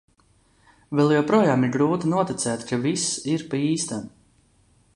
Vēl joprojām ir grūti noticēt, ka viss ir pa īstam.